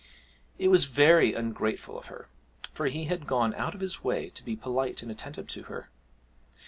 It was very ungrateful of her, for he had gone out of his way to be polite and attentive to her.